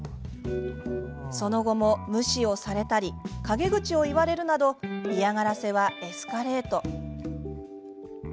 その後も無視をされたり陰口を言われるなど嫌がらせはエスカレート。